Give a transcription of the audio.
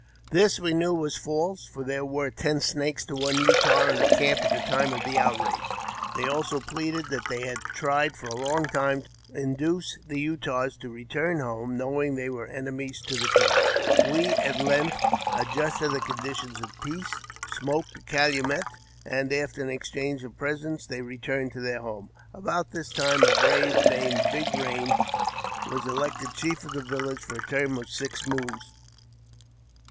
This we knew was false, for their were ten Snakes to on© Utah in the camp at the time of the outrage. They also pleaded that they had tried for a long time to induce the Utahs to return home, knowing that they were enemies to the Crows. We at length adjusted the conditions of peace, smoked the calumet, and, after an exchange of presents, they returned to their home. About this time a brave, named Big Eain, was elected chief of the village for the term of six moons.